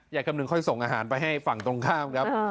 คำนึงค่อยส่งอาหารไปให้ฝั่งตรงข้ามครับ